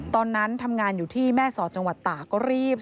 ตอนนั้นทำงานอยู่ที่แม่สอดจังหวัดตาก็รีบ